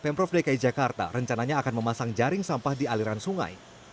pemprov dki jakarta rencananya akan memasang jaring sampah di aliran sungai